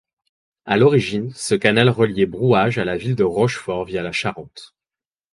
À l'origine, ce canal reliait Brouage à la ville de Rochefort via la Charente.